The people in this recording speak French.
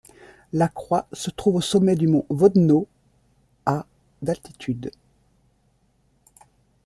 La croix se trouve au sommet du mont Vodno, à d'altitude.